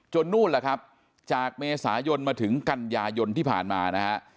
นู่นล่ะครับจากเมษายนมาถึงกันยายนที่ผ่านมานะฮะ